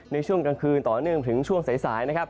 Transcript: ในช่วงกลางคืนต่อเนื่องถึงช่วงสายนะครับ